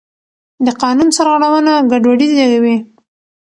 د قانون سرغړونه ګډوډي زېږوي